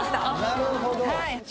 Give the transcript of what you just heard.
なるほど。